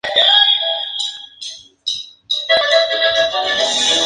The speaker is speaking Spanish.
A veces en vez de wolframio lleva hierro.